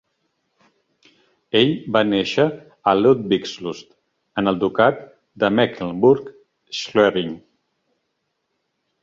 Ell va néixer a Ludwigslust en el Ducat de Mecklenburg-Schwerin.